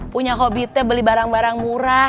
punya hobite beli barang barang murah